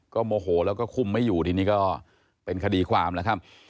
โมโหแล้วก็คุมไม่อยู่ทีนี้ก็เป็นคดีความนะครับ